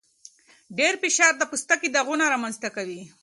ډېر فشار د پوستکي داغونه رامنځته کوي.